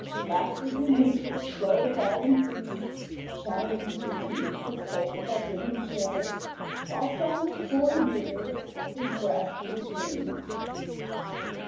Lastly came Winter clothed all in frieze, Chattering his teeth for cold that did him chill, Whilst on his hoary beard, his breath did freeze.